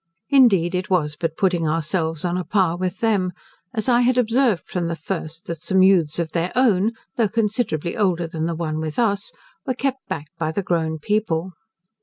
Indeed it was but putting ourselves on a par with them, as I had observed from the first, that some youths of their own, though considerably older than the one with us, were, kept back by the grown people.